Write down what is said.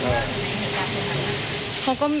ที่เราถึงในเหตุการณ์เท่านั้น